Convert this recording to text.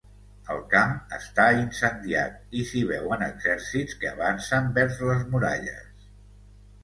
El camp està incendiat i s'hi veuen exèrcits que avancen vers les muralles.